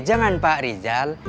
jangan pak rizal